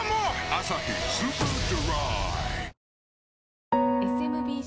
「アサヒスーパードライ」